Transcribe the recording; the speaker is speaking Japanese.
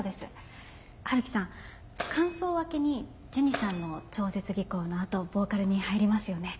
陽樹さん間奏明けにジュニさんの超絶技巧のあとボーカルに入りますよね。